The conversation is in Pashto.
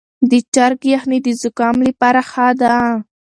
د چرګ یخني د زکام لپاره ښه ده.